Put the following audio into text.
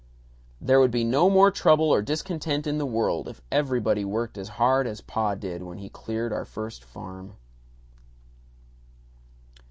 There would be no more trouble or discontent in the world if everybody worked as hard as Pa did when he cleared our first farm.